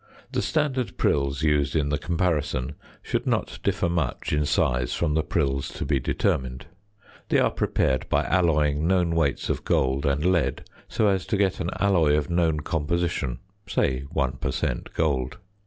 The standard prills used in the comparison should not differ much in size from the prills to be determined. They are prepared by alloying known weights of gold and lead, so as to get an alloy of known composition, say one per cent. gold.